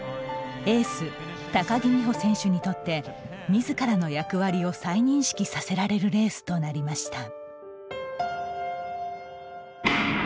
エース・高木美帆選手にとってみずからの役割を再認識させられるレースとなりました。